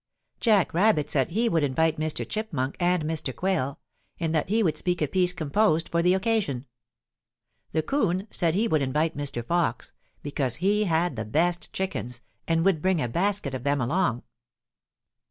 Jack Rabbit said he would invite Mr. Chipmunk and Mr Quail, and that he would speak a piece composed for the occasion. The 'Coon said he would invite Mr. Fox, because he had the best chickens, and would bring a basket of them along.